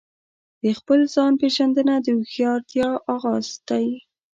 د خپل ځان پیژندنه د هوښیارتیا آغاز دی.